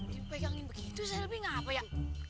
kok dipegangin begitu shelby ngapa ya